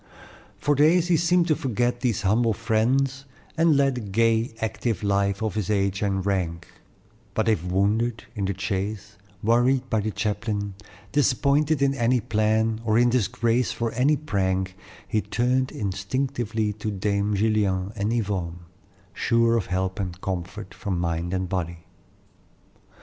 For days he seemed to forget these humble friends, and led the gay, active life of his age and rank; but if wounded in the chase, worried by the chaplain, disappointed in any plan, or in disgrace for any prank, he turned instinctively to Dame Gillian and Yvonne, sure of help and comfort for mind and body.